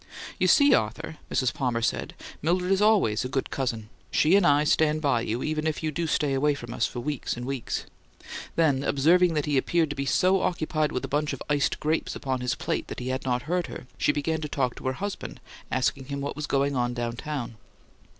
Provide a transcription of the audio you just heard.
"You see, Arthur," Mrs. Palmer said, "Mildred is always a good cousin. She and I stand by you, even if you do stay away from us for weeks and weeks." Then, observing that he appeared to be so occupied with a bunch of iced grapes upon his plate that he had not heard her, she began to talk to her husband, asking him what was "going on down town."